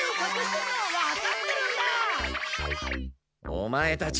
オマエたち